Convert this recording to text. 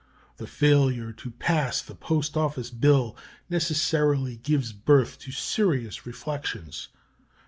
The failure to pass the Post Office bill necessarily gives birth to serious reflections.